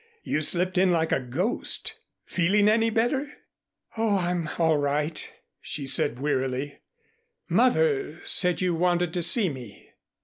You slipped in like a ghost. Feeling any better?" "Oh, I'm all right," she said wearily. "Mother said you wanted to see me."